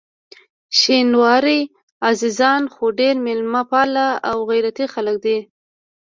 شینواري عزیزان خو ډېر میلمه پال او غیرتي خلک دي.